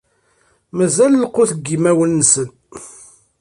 Mazal lqut deg yimawen-nsen.